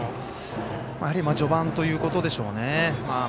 やはり序盤ということでしょうね。